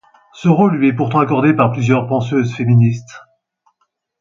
Ce rôle lui est pourtant accordé par plusieurs penseuses féministes.